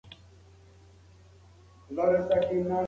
ایا ټولنیزې اړیکې له اقتصاد سره تړاو لري؟